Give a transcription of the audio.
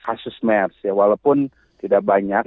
kasus mers ya walaupun tidak banyak